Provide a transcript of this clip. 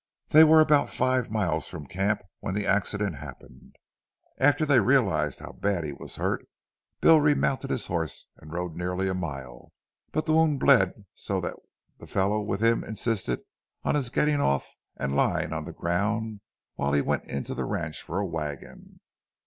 "They were about five miles from camp when the accident happened. After they realized how bad he was hurt, Bill remounted his horse and rode nearly a mile; but the wound bled so then that the fellow with him insisted on his getting off and lying on the ground while he went into the ranch for a wagon.